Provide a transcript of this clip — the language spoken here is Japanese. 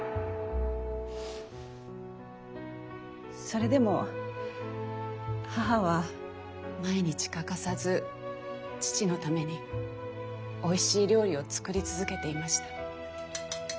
それでも母は毎日欠かさず父のためにおいしい料理を作り続けていました。